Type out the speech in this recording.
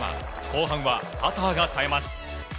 後半はパターがさえます。